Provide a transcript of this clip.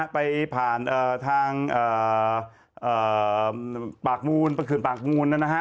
ไปผ่านทางปากมูลประคืนปากมูลนะครับ